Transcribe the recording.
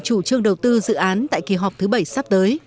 chủ trương đầu tư dự án tại kỳ họp thứ bảy sắp tới